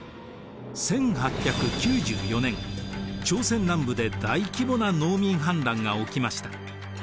１８９４年朝鮮南部で大規模な農民反乱が起きました。